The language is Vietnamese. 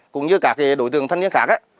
cũng như các đối tượng thân niên khác